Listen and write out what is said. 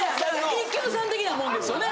一休さん的なもんですよね。